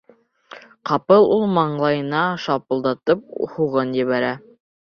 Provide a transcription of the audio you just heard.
Ҡапыл ул маңлайына шапылдатып һуғып ебәрә.